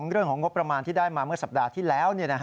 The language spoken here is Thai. เรื่องของงบประมาณที่ได้มาเมื่อสัปดาห์ที่แล้ว